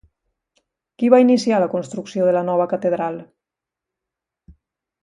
Qui va iniciar la construcció de la nova catedral?